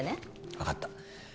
分かった